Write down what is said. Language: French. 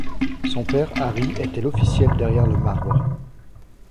Son père Harry était l'officiel derrière le marbre.